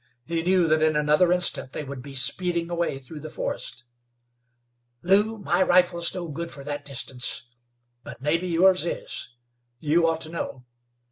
He knew that in another instant they would be speeding away through the forest. "Lew, my rifle's no good fer that distance. But mebbe yours is. You ought to know.